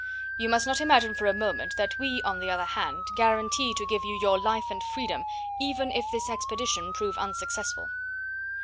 "You must not imagine for a moment that we, on the other hand, guarantee to give you your life and freedom even if this expedition prove unsuccessful."